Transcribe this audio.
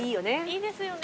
いいですよね。